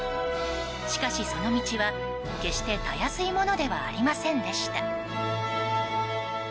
しかし、その道は決してたやすいものではありませんでした。